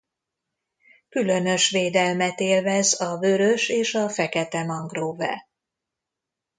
Különös védelmet élvez a vörös és a fekete mangrove.